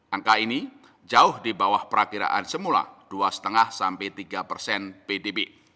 angka ini jauh di bawah perakiraan semula dua lima sampai tiga persen pdb